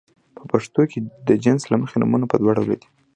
په پښتو کې د جنس له مخې نومونه په دوه ډوله دي.